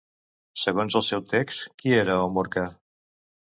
Segons el seu text, qui era Omorka?